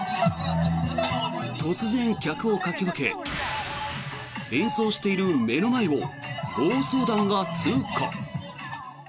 突然、客をかき分け演奏している目の前を暴走団が通過。